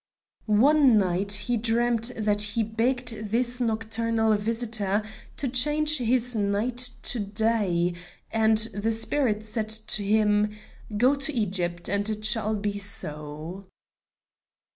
One night he dreamt that he begged this nocturnal visitor to change his night to day, and the spirit said to him: "Go to Egypt, and it shall be so."